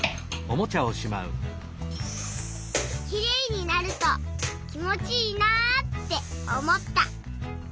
きれいになるときもちいいなっておもった。